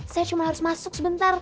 saya cuma harus masuk sebentar